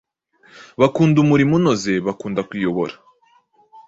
bakunda umurimo unoze, bakunda kuyobora